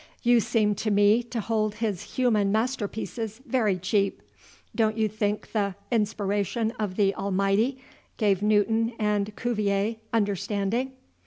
You seem to me to hold his human masterpieces very cheap. Don't you think the 'inspiration of the Almighty' gave Newton and Cuvier 'understanding'?"